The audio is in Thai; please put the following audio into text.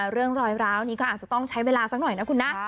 เรื่องรอยร้าวนี้ก็อาจจะต้องใช้เวลาสักหน่อยนะคุณนะ